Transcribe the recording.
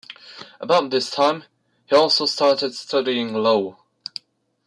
About this time he also started studying law.